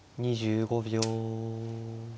２５秒。